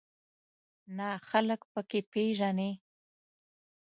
نه خلک په کې پېژنې.